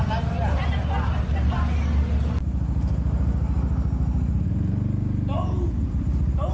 ใบผู้สิ